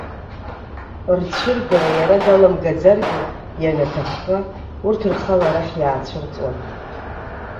Рцәыргара иара даламгаӡаргьы, ианаҭахха, урҭ рхала арахь иаацәырҵуан.